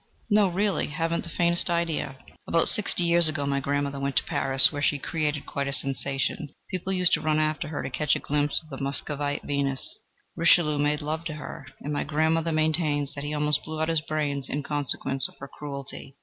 "No, really; haven't the faintest idea." "Oh! then listen. About sixty years ago, my grandmother went to Paris, where she created quite a sensation. People used to run after her to catch a glimpse of the 'Muscovite Venus.' Richelieu made love to her, and my grandmother maintains that he almost blew out his brains in consequence of her cruelty.